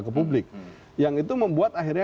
ke publik yang itu membuat akhirnya